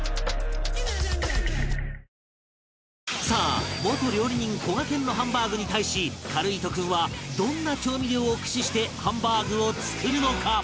さあ元料理人こがけんのハンバーグに対しかるぃーと君はどんな調味料を駆使してハンバーグを作るのか？